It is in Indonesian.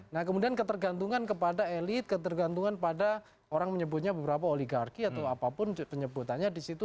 nah kemudian ketergantungan kepada elit ketergantungan pada orang menyebutnya beberapa oligarki atau apapun penyebutannya disitu